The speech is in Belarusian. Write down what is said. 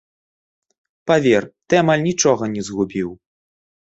Павер, ты амаль нічога не згубіў!